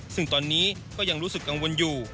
ซึ่งตอนนี้ก็ยังรู้สึกกังวลอยู่